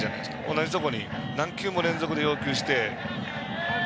同じところに何球も連続で要求して。